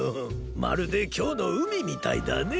まるできょうのうみみたいだねえ。